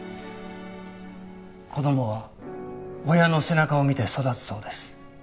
子供は親の背中を見て育つそうです。